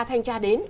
thanh tra đến